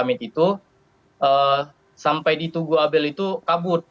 lagi kami untuk melakukan summit itu sampai di tuguabel itu kabut